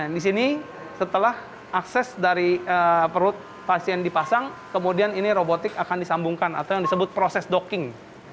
di sini setelah akses dari perut pasien dipasang kemudian ini robotik akan disambungkan atau yang disebut proses docking